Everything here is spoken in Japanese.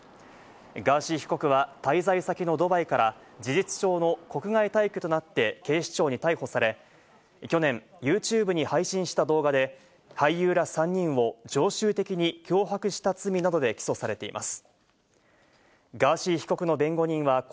ガーシー被告は滞在先のドバイから事実上の国外退去となって警視庁に逮捕され、去年ＹｏｕＴｕｂｅに配信した動画で、俳優ら３人を常習的に脅迫した罪などで起訴されています。